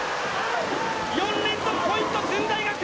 ４連続ポイント、駿台学園！